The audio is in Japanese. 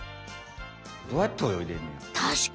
どうやって泳いでんねや？